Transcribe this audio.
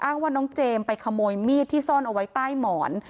ว่าน้องเจมส์ไปขโมยมีดที่ซ่อนเอาไว้ใต้หมอน